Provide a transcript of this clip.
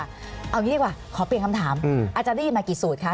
เอาอย่างนี้ดีกว่าขอเปลี่ยนคำถามอาจารย์ได้ยินมากี่สูตรคะ